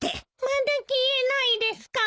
まだ消えないですか。